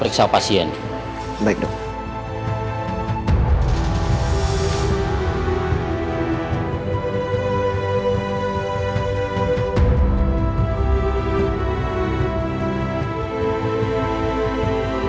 itu kotamarily illegit kok menurut anda